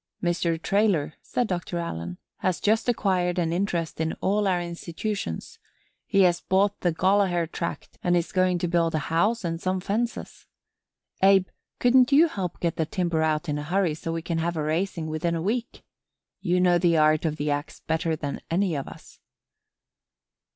"Mr. Traylor," said Doctor Allen, "has just acquired an interest in all our institutions. He has bought the Gollaher tract and is going to build a house and some fences. Abe, couldn't you help get the timber out in a hurry so we can have a raising within a week? You know the art of the ax better than any of us."